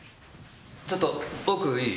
ちょっと奥いい？